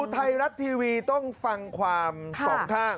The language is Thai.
คนแบบนั้นก็ไม่เคยเห็นอย่างนี้